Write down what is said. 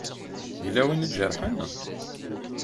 Yella win i d-ijerḥen?